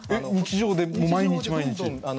日常で毎日毎日？